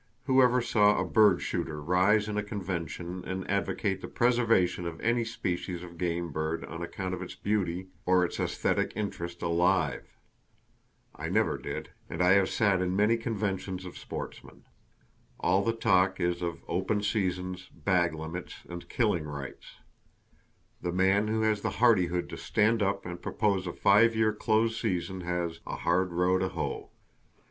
Who ever saw a bird shooter rise in a convention and advocate the preservation of any species of game bird on account of its beauty or its esthetic interest alive? I never did; and I have sat in many conventions of sportsmen. All the talk is of open seasons, bag limits and killing rights. The man who has the hardihood to stand up and propose a five year close season has "a hard row to hoe."